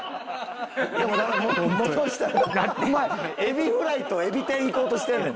お前エビフライとエビ天いこうとしてんねん。